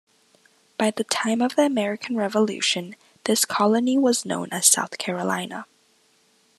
By the time of the American Revolution, this colony was known as South Carolina.